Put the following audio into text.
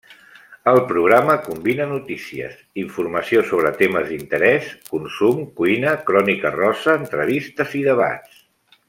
El programa combina notícies, informació sobre temes d'interès, consum, cuina, crònica rosa, entrevistes i debats.